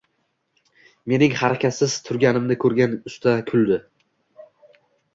Mening harakatsiz turganimni koʻrgan usta kuldi.